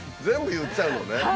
全部言っちゃうのね。